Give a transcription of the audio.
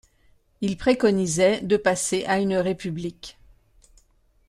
Ils préconisaient de passer à une République.